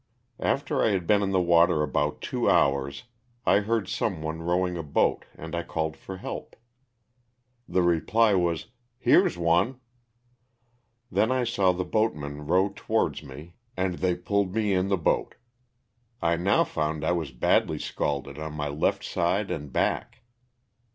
After I had been in the water about two hours, I heard some one rowing a boat and I called for help. The reply was '^Here's one." Then I saw the boatmen row towards me and they pulled me in the boat. I now found I was badly scalded on my left side and back.